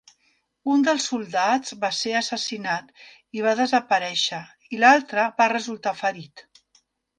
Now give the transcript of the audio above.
Un dels soldats va ser assassinat i va desaparèixer i l'altre va resultar ferit.